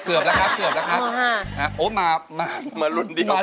เกือบแล้วครับมารุ่นเดียวกันครับ